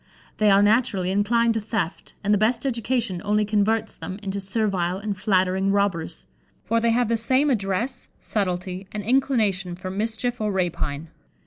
They are, naturally, inclined to theft, and the best education only converts them into servile and flattering robbers; for they have the same address, subtlety, and inclination for mischief or rapine.